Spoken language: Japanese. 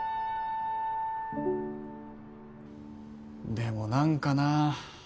でも何かなあ。